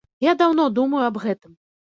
Я даўно думаю аб гэтым.